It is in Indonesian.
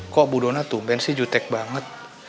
kok bu dona tumben sih jutek banget